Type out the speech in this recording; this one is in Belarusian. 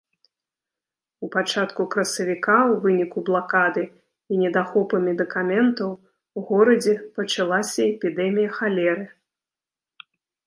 У пачатку красавіка ў выніку блакады і недахопу медыкаментаў у горадзе пачалася эпідэмія халеры.